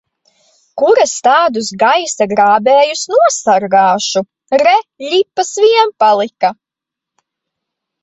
Kur es tādus gaisa grābējus nosargāšu! Re, ļipas vien palika!